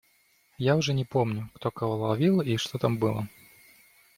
Я уже не помню, кто кого ловил и что там было.